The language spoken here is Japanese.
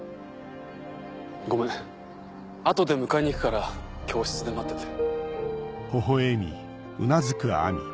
ごめん後で迎えに行くから教室で待ってて。